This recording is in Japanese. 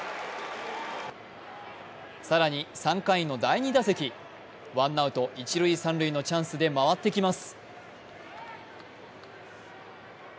更に、３回の第２打席ワンアウト一・三塁のチャンスで回ってきます。